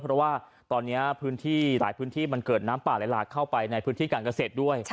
เพราะว่าตอนนี้พื้นที่หลายพื้นที่มันเกิดน้ำป่าไหลหลากเข้าไปในพื้นที่การเกษตรด้วย